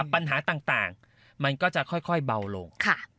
ปัญหาต่างมันก็จะค่อยเบาลง